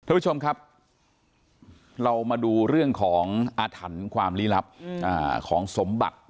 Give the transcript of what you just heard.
ทุกผู้ชมครับเรามาดูเรื่องของอาถรรพ์ความลี้ลับของสมบัติ